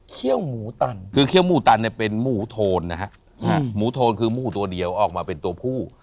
หมูตันคือเขี้ยวหมูตันเนี่ยเป็นหมูโทนนะฮะหมูโทนคือหมูตัวเดียวออกมาเป็นตัวผู้